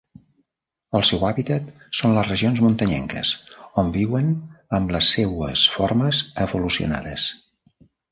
El seu hàbitat són les regions muntanyenques, on viuen amb les seues formes evolucionades.